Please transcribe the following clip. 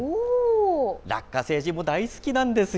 ラッカ星人も大好きなんですよ。